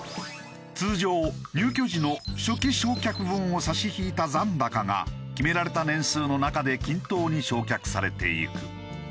通常入居時の初期償却分を差し引いた残高が決められた年数の中で均等に償却されていく。